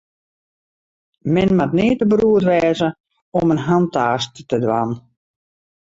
Men moat nea te beroerd wêze om in hantaast te dwaan.